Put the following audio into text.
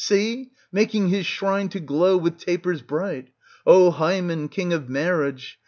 see ! making his shrine to glow with tapers bright. O Hymen, king of marriage